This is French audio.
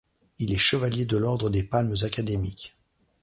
Il est Chevalier de l'Ordre des Palmes académiques.